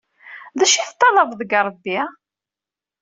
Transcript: D acu i teṭṭalabeḍ deg rebbi?